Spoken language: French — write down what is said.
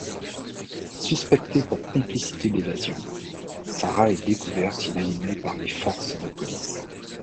Suspectée pour complicité d'évasion, Sara est découverte inanimée par les forces de police.